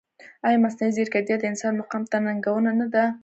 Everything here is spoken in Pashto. ایا مصنوعي ځیرکتیا د انسان مقام ته ننګونه نه ده؟